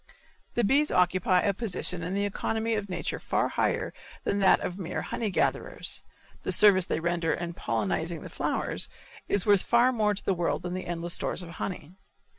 The bees occupy a position in the economy of nature far higher than that of mere honey gatherers. The service they render in pollenizing the flowers is worth far more to the world than endless stores of honey.